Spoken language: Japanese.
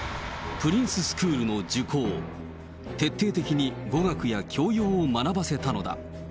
プリンススクールの受講、徹底的に語学や教養を学ばせたのだ。